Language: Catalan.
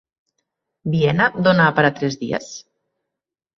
Viena dona per a tres dies?